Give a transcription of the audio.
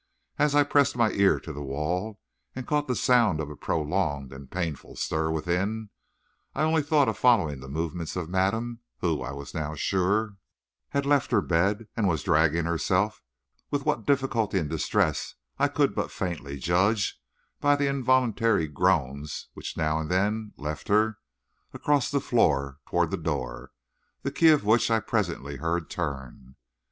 As I pressed my ear to the wall and caught the sound of a prolonged and painful stir within, I only thought of following the movements of madame, who, I was now sure, had left her bed and was dragging herself, with what difficulty and distress I could but faintly judge by the involuntary groans which now and then left her, across the floor toward the door, the key of which I presently heard turn.